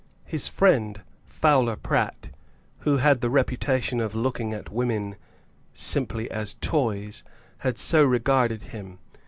His friend Fowler Pratt, who had the reputation of looking at women simply as toys, had so regarded him.